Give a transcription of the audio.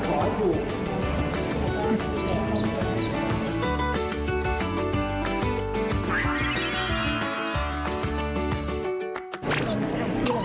ขอบคุณครับ